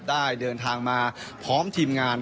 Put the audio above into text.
ได้เดินทางมาพร้อมทีมงาน